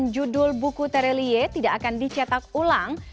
dua puluh delapan judul buku tere lie tidak akan dicetak ulang